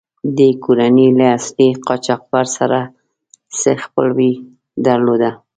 دې کورنۍ له اصلي قاچاقبر سره څه خپلوي درلوده.